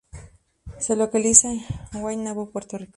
Se localiza en Guaynabo, Puerto Rico.